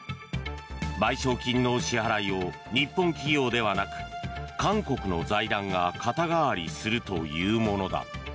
賠償金の支払いを日本企業ではなく韓国の財団が肩代わりするというものだ。